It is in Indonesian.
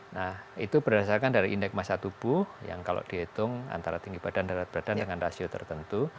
nah itu berdasarkan dari indeks masa tubuh yang kalau dihitung antara tinggi badan dengan rasio tertentu